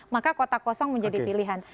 maka kota kosong menjadi pilihan